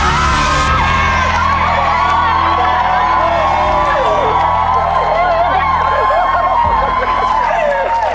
ถูกครับ